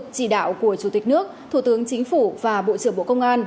chỉ đạo của chủ tịch nước thủ tướng chính phủ và bộ trưởng bộ công an